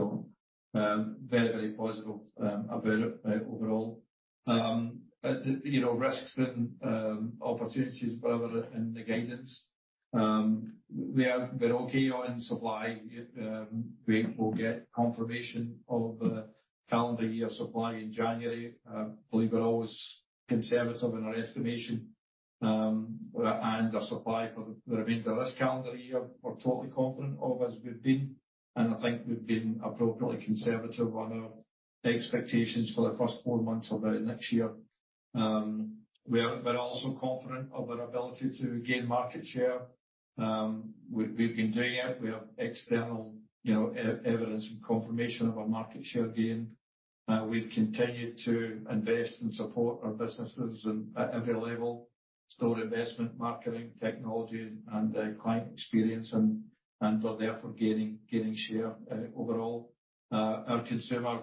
Very, very positive about it overall. You know, risks and opportunities wherever in the guidance, we're okay on supply. We will get confirmation of calendar year supply in January. Believe we're always conservative in our estimation, and our supply for the remainder of this calendar year, we're totally confident of as we've been. I think we've been appropriately conservative on our expectations for the first four months of next year. We're also confident of our ability to gain market share. We've been doing it. We have external, you know, evidence and confirmation of our market share gain. We've continued to invest and support our businesses at every level, store investment, marketing, technology and client experience and are therefore gaining share overall. Our consumer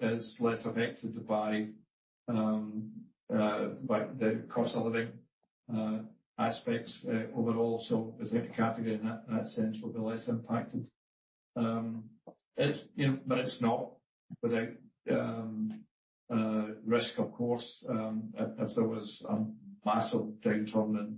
is less affected by the cost of living aspects overall. I think the category in that sense will be less impacted. It's, you know, but it's not without risk, of course, if there was a massive downturn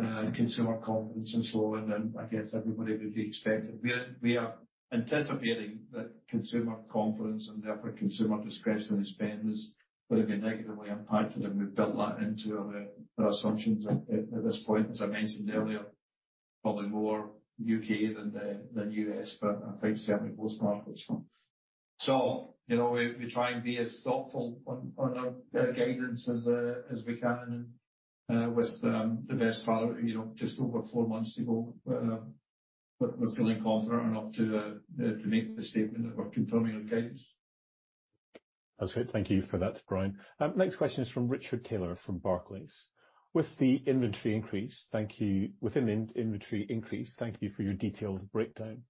in consumer confidence and so on. I guess everybody would be expected. We are anticipating that consumer confidence and therefore consumer discretionary spend is gonna be negatively impacted, and we've built that into our assumptions at this point. As I mentioned earlier, probably more UK than US, but I think certainly most markets. You know, we try and be as thoughtful on our guidance as we can and with the best part, you know, just over four months to go. We're feeling confident enough to make the statement that we're confirming our guidance. That's great. Thank you for that, Brian. Next question is from Richard Taylor from Barclays. With the inventory increase, within inventory increase, thank you for your detailed breakdown.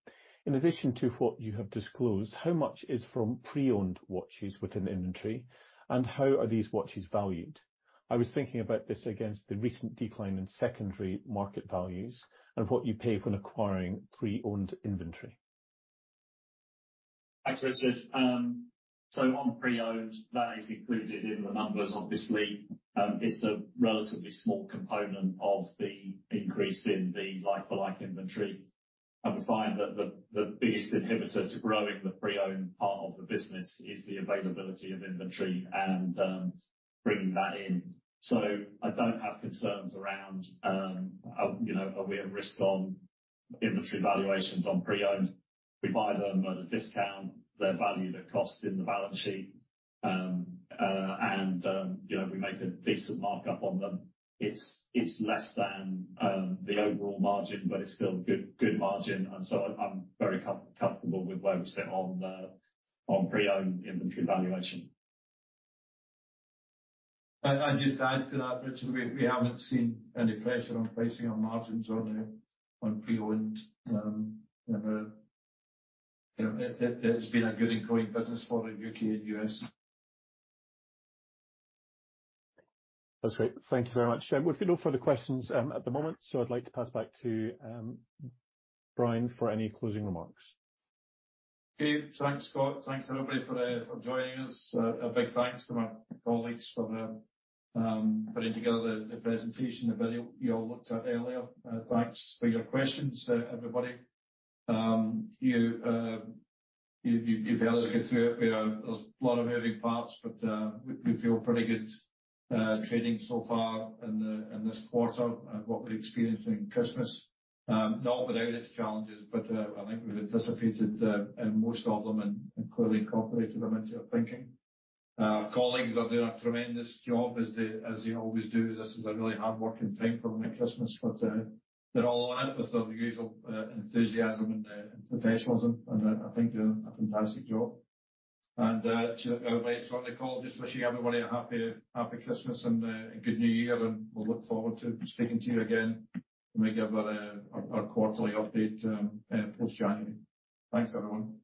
In addition to what you have disclosed, how much is from pre-owned watches within the inventory, and how are these watches valued? I was thinking about this against the recent decline in secondary market values and what you pay when acquiring pre-owned inventory. Thanks, Richard. On pre-owned, that is included in the numbers, obviously. It's a relatively small component of the increase in the like-for-like inventory. I would find that the biggest inhibitor to growing the pre-owned part of the business is the availability of inventory and bringing that in. I don't have concerns around, you know, are we at risk on inventory valuations on pre-owned. We buy them at a discount. They're valued at cost in the balance sheet. And, you know, we make a decent markup on them. It's less than the overall margin, but it's still good margin. I'm very comfortable with where we sit on pre-owned inventory valuation. I just add to that, Richard. We haven't seen any pressure on pricing or margins on pre-owned. you know, it's been a good ongoing business for the UK and US. That's great. Thank you very much. We've no further questions, at the moment, so I'd like to pass back to Brian for any closing remarks. Okay. Thanks, Scott. Thanks, everybody, for joining us. A big thanks to my colleagues for putting together the presentation, the video you all looked at earlier. Thanks for your questions, everybody. You've helped us get through it. There's a lot of moving parts, but we feel pretty good trading so far in this quarter and what we're experiencing Christmas. Not without its challenges, but I think we've anticipated most of them and clearly incorporated them into our thinking. Our colleagues are doing a tremendous job as they always do. This is a really hard working time for them at Christmas, but they're all on it with their usual enthusiasm and professionalism. I think they're doing a fantastic job. To everybody that's on the call, just wishing everybody a happy Christmas and a good New Year, and we'll look forward to speaking to you again when we give our quarterly update post-January. Thanks, everyone.